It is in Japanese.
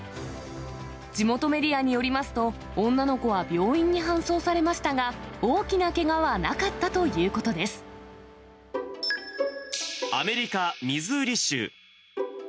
地元メディアによりますと、女の子は病院に搬送されましたが、大きなけがはなかったということアメリカ・ミズーリ州。